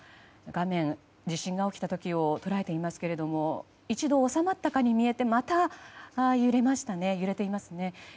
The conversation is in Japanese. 画面、地震が起きた時を捉えていますけれども一度、収まったかに見えてまた揺れましたね。